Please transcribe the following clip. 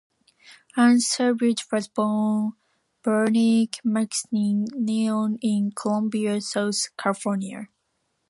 Ann Savage was born Bernice Maxine Lyon in Columbia, South Carolina.